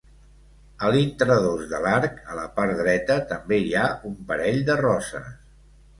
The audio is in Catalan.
A l'intradós de l'arc, a la part dreta, també hi ha un parell de roses.